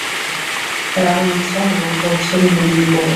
রানুর ইচ্ছা হলো ঘর ছেড়ে বেরিয়ে পড়ে।